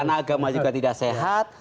anak agama juga tidak sehat